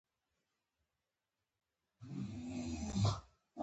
نوي اقلیمي شرایط د غنمو او نورو غلو لپاره مناسب شول.